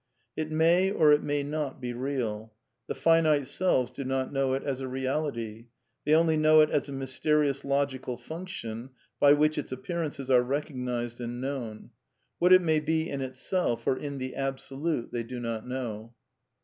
It may or it may not be real. The finite selves do not know it as a reality. They only know it as a mysterious logical function by which its appearances are recognized ' and known. What it may be in itself or " in the Abso ^te " they do not know.